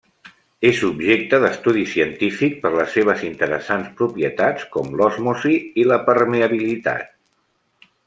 És objecte d'estudi científic per les seves interessants propietats, com l'osmosi i la permeabilitat.